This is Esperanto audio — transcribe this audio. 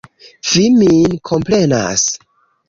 Vi min komprenas.